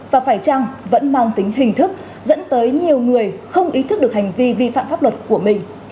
và phải chăng vẫn mang tính hình thức dẫn tới nhiều người không ý thức được hành vi vi phạm pháp luật của mình